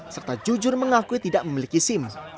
serta jujur mengakui tidak memiliki sim